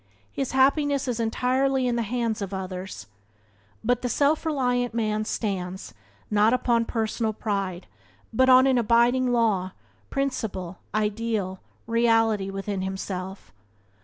His happiness is entirely in the hands of others. But the self reliant man stands, not upon personal pride, but on an abiding law, principle, ideal, reality within himself.